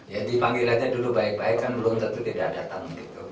jadi panggilannya dulu baik baik kan belum tentu tidak datang